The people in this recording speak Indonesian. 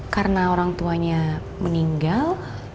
karena orang tuanya meninggal